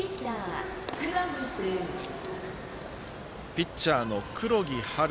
ピッチャーの黒木陽琉。